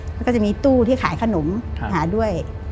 มันก็จะมีตู้ที่ขายขนมหาด้วย